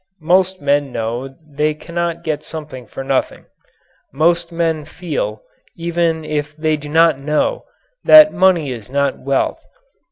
Most men know they cannot get something for nothing. Most men feel even if they do not know that money is not wealth.